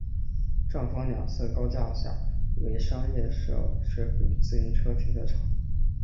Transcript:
站房两侧高架下为商业设施与自行车停车场。